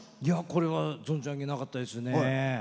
これは存じ上げなかったですね。